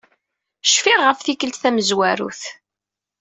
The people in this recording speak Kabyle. Cfiɣ ɣef tikkelt tamezwarut.